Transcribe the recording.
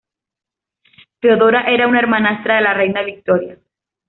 Feodora era una hermanastra de la reina Victoria.